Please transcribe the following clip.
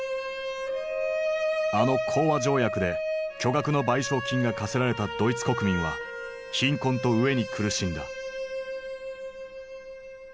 あの講和条約で巨額の賠償金が科せられたドイツ国民は貧困と飢えに苦しんだ。